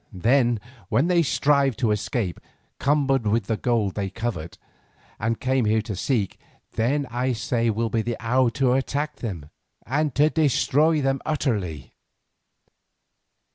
Then when they strive to escape cumbered with the gold they covet and came here to seek, then I say will be the hour to attack them and to destroy them utterly."